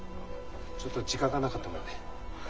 ちょっと時間がなかったもので。